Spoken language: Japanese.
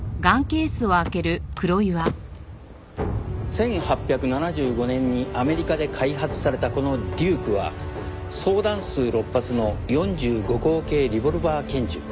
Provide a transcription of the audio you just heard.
１８７５年にアメリカで開発されたこのデュークは装弾数６発の４５口径リボルバー拳銃。